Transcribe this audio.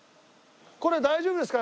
これ大丈夫ですか？